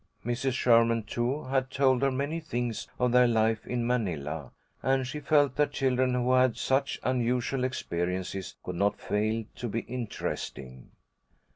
Mrs. Sherman, too, had told her many things of their life in Manila, and she felt that children who had such unusual experiences could not fail to be interesting.